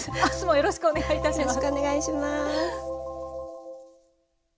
よろしくお願いします。